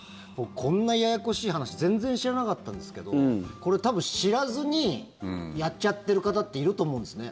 こんなややこしい話全然知らなかったんですけどこれ、多分知らずにやっちゃってる方っていると思うんですね。